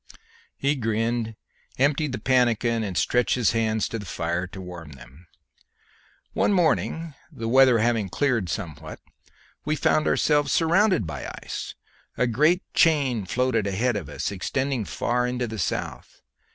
He grinned, emptied the pannikin, and stretched his hands to the fire to warm them. "One morning, the weather having cleared somewhat, we found ourselves surrounded by ice. A great chain floated ahead of us, extending far into the south.